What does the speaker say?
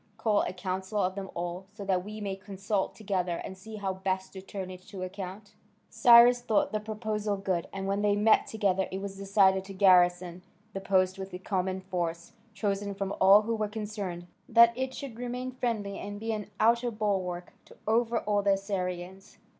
call a council of them all, so that we may consult together, and see how best to turn it to account." Cyrus thought the proposal good, and when they met together it was decided to garrison the post with a common force, chosen from all who were concerned that it should remain friendly and be an outer balwark to overawe the Assyrians.